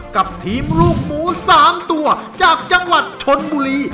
กับทีมลูกหมู๓ตัวจากจังหวัดชนบุรี